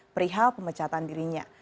perihal pemecatan dirinya